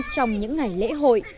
trong những ngày lễ hội